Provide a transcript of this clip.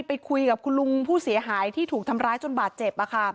ไปคุยกับคุณลุงผู้เสียหายที่ถูกทำร้ายจนบาดเจ็บ